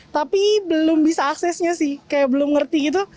tapi belum bisa aksesnya sih kayak belum ngerti gitu